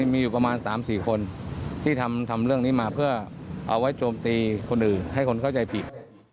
มีอยู่ประมาณ๓๔คนที่ทำเรื่องนี้มาเพื่อเอาไว้โจมตีคนอื่นให้คนเข้าใจผิด